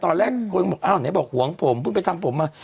ตอนแรกคนก็บอกอ้าวไหนบอกห่วงผมเพิ่งไปทำผมมา